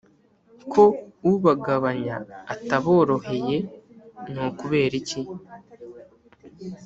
Ko ubagabanya ataboroheye nikubera iki?